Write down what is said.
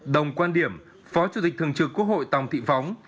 đồng quan điểm phó chủ tịch thường trực quốc hội tòng thị phóng